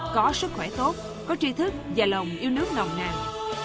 có sức khỏe tốt có trí thức và lòng yêu nước nồng nàng